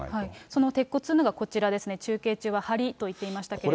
その鉄骨というのがこちらですね、中継中ははりと言っていましたけれども。